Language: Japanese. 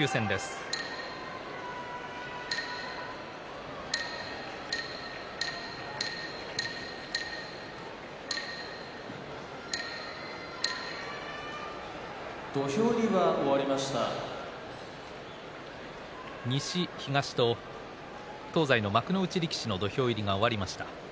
柝きの音西、東と東西の幕内力士の土俵入りが終わりました。